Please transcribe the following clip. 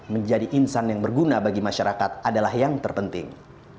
menjadi insan yang berguna bagi masyarakat adalah yang terpenting